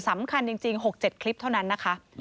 สำคัญจริง๖๗คลิปเท่านั้นนะคะ